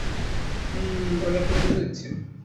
মমমম - আমি আপনাকে দুশো দিচ্ছি।